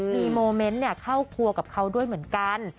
มีโมเมนต์เข้าครัวกับเขาด้วยเหมือนกัน